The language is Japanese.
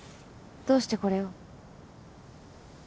どうしてこれを？